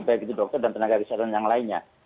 baik itu dokter dan tenaga kesehatan yang lainnya